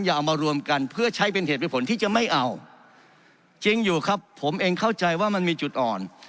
เอามารวมกันเพื่อใช้เป็นเหตุเป็นผลที่จะไม่เอาจริงอยู่ครับผมเองเข้าใจว่ามันมีจุดอ่อน